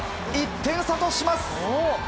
１点差とします。